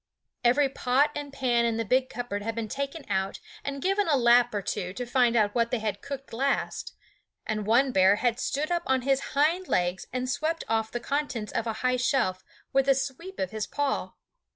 Every pot and pan in the big cupboard had been taken out and given a lap or two to find out what they had cooked last; and one bear had stood up on his hind legs and swept off the contents of a high shelf with a sweep of his paw.